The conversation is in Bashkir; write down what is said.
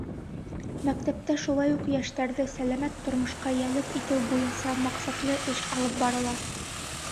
Мәктәптә шулай уҡ йәштәрҙе сәләмәт тормошҡа йәлеп итеү буйынса маҡсатлы эш алып барыла.